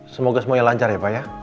semoga semuanya lancar ya pak ya